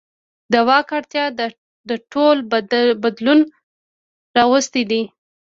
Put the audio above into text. د واک اړتیا دا ټول بدلون راوستی دی.